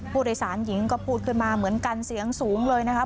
ผู้โดยสารหญิงก็พูดขึ้นมาเหมือนกันเสียงสูงเลยนะครับ